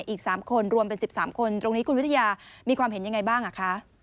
อีก๓คนรวมเป็น๑๓คนตรงนี้คุณวิทยามีความเห็นยังไงบ้างคะ